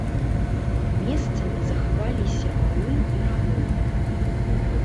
Месцамі захаваліся валы і равы.